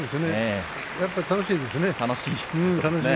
やっぱり楽しいですね。